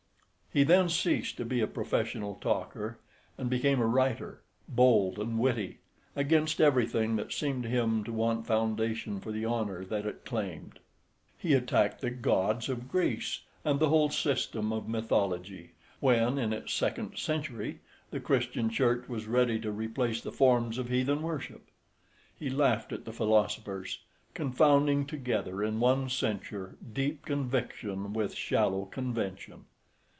He then ceased to be a professional talker, and became a writer, bold and witty, against everything that seemed to him to want foundation for the honour that it claimed. He attacked the gods of Greece, and the whole system of mythology, when, in its second century, the Christian Church was ready to replace the forms of heathen worship. He laughed at the philosophers, confounding together in one censure deep conviction with shallow convention.